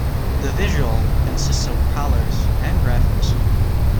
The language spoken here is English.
The visual consists of colors and graphics.